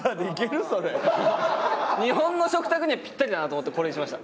日本の食卓にはピッタリだなと思ってこれにしました。